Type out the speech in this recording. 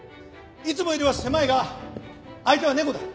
いつもよりは狭いが相手は猫だ。